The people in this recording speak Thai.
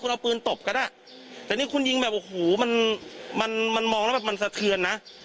คุณเอาปืนตบก็ได้แต่นี่คุณยิงแบบโอ้โหมันมันมองแล้วแบบมันสะเทือนนะ